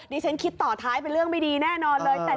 ฉันคิดต่อท้ายเป็นเรื่องไม่ดีแน่นอนเลย